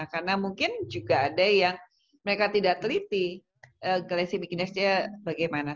karena mungkin juga ada yang mereka tidak teliti glicemic indexnya bagaimana